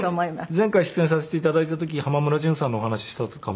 前回出演させて頂いた時浜村淳さんのお話したかも。